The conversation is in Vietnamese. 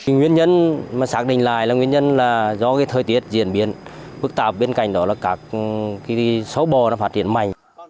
nguyên nhân mà xác định lại là do thời tiết diễn biến phức tạp bên cạnh đó là các số bò phát triển mạnh